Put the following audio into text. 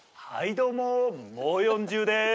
どうももう４０です。